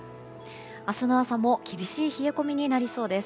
明日の朝も厳しい冷え込みになりそうです。